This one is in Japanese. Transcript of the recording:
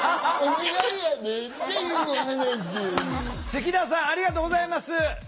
月田さんありがとうございます。